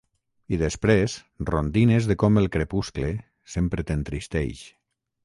I després rondines de com el crepuscle sempre t'entristeix.